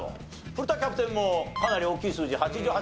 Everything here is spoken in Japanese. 古田キャプテンもかなり大きい数字８８パーセント。